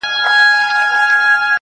اميد کمزوری پاتې کيږي دلته تل,